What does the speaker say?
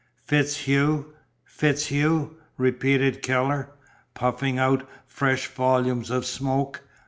"FitzHugh FitzHugh," repeated Keller, puffing out fresh volumes of smoke.